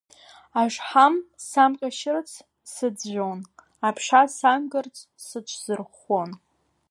Ашҳам самҟьашьырц сыӡәӡәон, аԥша самгарц сыҽсырӷәӷәон.